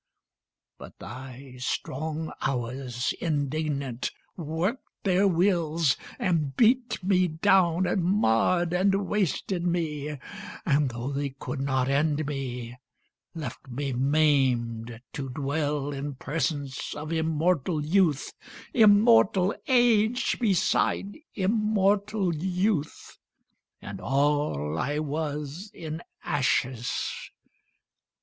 But thy strong Hours indignant work'd their wills, And beat me down and marr'd and wasted me, And tho' they could not end me, left me maim'd To dwell in presence of immortal youth, Immortal age beside immortal youth, And all I was, in ashes.